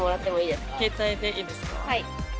はい。